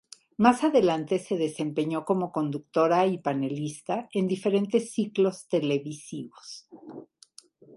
Más adelante se desempeñó como conductora y panelista en diferentes ciclos televisivos.